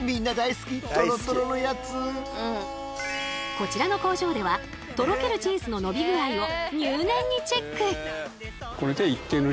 こちらの工場ではとろけるチーズの伸び具合を入念にチェック。